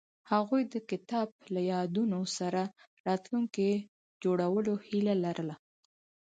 هغوی د کتاب له یادونو سره راتلونکی جوړولو هیله لرله.